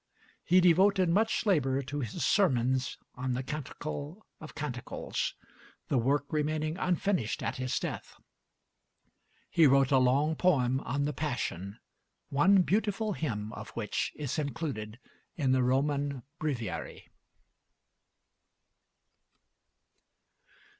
He devoted much labor to his sermons on the Canticle of Canticles, the work remaining unfinished at his death. He wrote a long poem on the Passion, one beautiful hymn of which is included in the Roman Breviary.